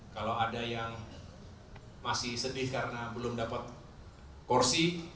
kalau ada yang masih sedih karena belum dapat kursi